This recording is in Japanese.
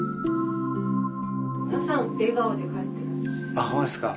あっ本当ですか。